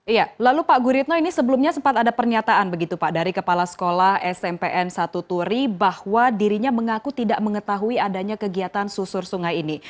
iya lalu pak guritno ini sebelumnya sempat ada pernyataan begitu pak dari kepala sekolah smpn satu turi bahwa dirinya mengaku tidak mengetahui adanya kegiatan susur sungai ini